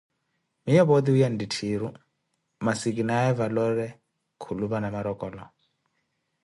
Miiyo pooti wiiya nttitthiru masu kinawe valori- khulupa Namorokolo.